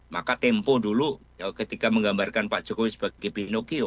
maka tempo dulu ketika menggambarkan pak jokowi sebagai pinocchio